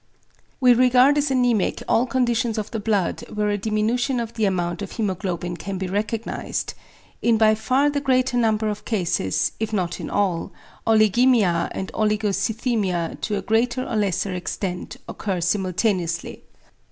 We regard as anæmic all conditions of the blood where a diminution of the amount of hæmoglobin can be recognised; in by far the greater number of cases, if not in all, Oligæmia and Oligocythæmia to a greater or less extent occur simultaneously.